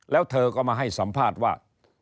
แล้วเธอก็มาให้สัมภาษณ์ว่า